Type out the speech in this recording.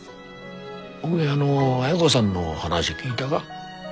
おめえあの亜哉子さんの話聞いだが？